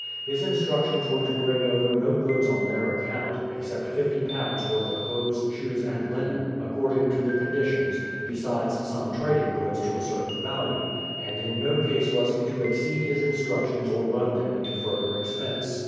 His instructions were to bring over no goods on their account, except £50 worth of hose, shoes, and linen, according to the conditions,— besides some trading goods to a certain value; and in no case was he to exceed his in structions or run them into further expense.